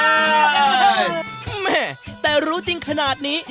แม่แต่รู้จริงขนาดนี้